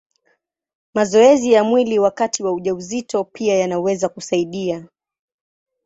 Mazoezi ya mwili wakati wa ujauzito pia yanaweza kusaidia.